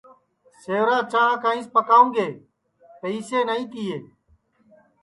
سیورا چاں کائیس پاکاوں گے پئیسے نائی تیے